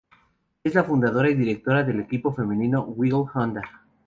Es la fundadora y directora del equipo femenino Wiggle-Honda.